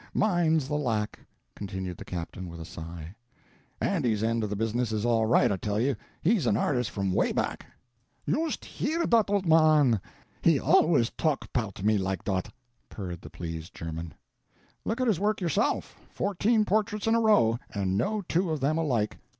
Mine's the lack," continued the captain with a sigh, "Andy's end of the business is all right I tell you he's an artist from way back!" "Yoost hear dot old man! He always talk 'poud me like dot," purred the pleased German. "Look at his work yourself! Fourteen portraits in a row. And no two of them alike."